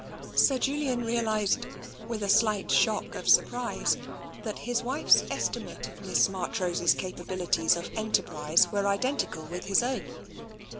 Sir Julian realised, with a slight shock of surprise, that his wife's estimate of Miss Marchrose's capabilities of enterprise were identical with his own.